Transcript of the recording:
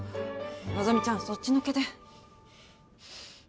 希ちゃんそっちのけで。